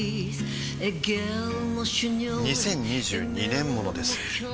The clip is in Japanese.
２０２２年モノです